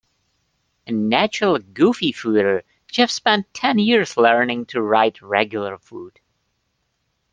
A natural goofyfooter, Jeff spent ten years learning to ride regularfoot.